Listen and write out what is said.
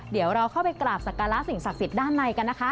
เดี๋ยวเราเข้าไปกราบสักการะสิ่งศักดิ์สิทธิ์ด้านในกันนะคะ